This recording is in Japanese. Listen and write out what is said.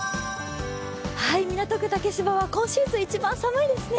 港区竹芝今シーズン一番寒いですね。